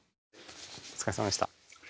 お疲れさまでした。